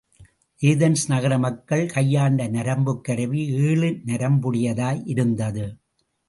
Athens நகர மக்கள் கையாண்ட நரம்புக் கருவி ஏழு நரம்புடையதாய் இருந்தது.